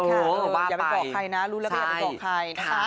รู้ว่าไปใช่ค่ะอย่าไปบอกใครนะรู้แล้วไปอย่าไปบอกใครนะคะ